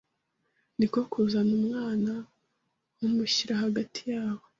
Ni ko kuzana umwana amushyira hagati yabo